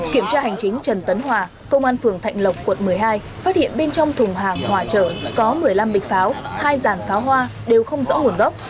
kiểm tra hành chính trần tấn hòa công an phường thạnh lộc quận một mươi hai phát hiện bên trong thùng hàng hòa trở có một mươi năm bịch pháo hai dàn pháo hoa đều không rõ nguồn gốc